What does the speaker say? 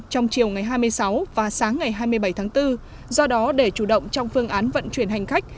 trong chiều ngày hai mươi sáu và sáng ngày hai mươi bảy tháng bốn do đó để chủ động trong phương án vận chuyển hành khách